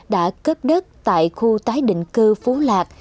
đã cướp đất tại khu tái định cư phú lạ